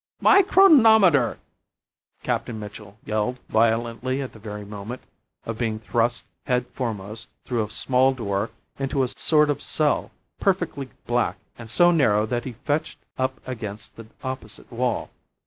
"My chronometer!" Captain Mitchell yelled violently at the very moment of being thrust head foremost through a small door into a sort of cell, perfectly black, and so narrow that he fetched up against the opposite wall.